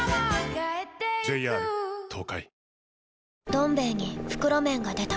「どん兵衛」に袋麺が出た